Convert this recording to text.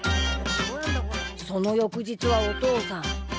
その翌日はお父さん。